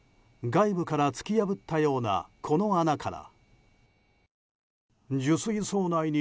外部から突き破ったようなこの穴から。